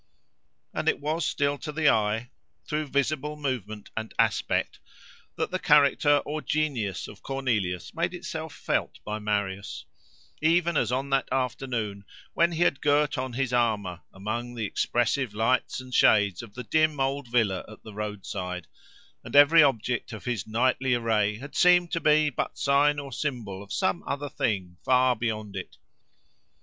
And it was still to the eye, through visible movement and aspect, that the character, or genius of Cornelius made itself felt by Marius; even as on that afternoon when he had girt on his armour, among the expressive lights and shades of the dim old villa at the roadside, and every object of his knightly array had seemed to be but sign or symbol of some other thing far beyond it.